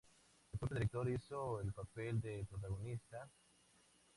El propio director hizo el papel de protagonista.